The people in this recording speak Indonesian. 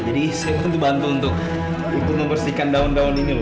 jadi saya bantu bantu untuk membersihkan daun daun ini bu